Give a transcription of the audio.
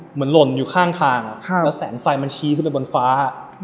หล่นอยู่ข้างทางแล้วแสงไฟมันชี้ขึ้นไปบนฟ้า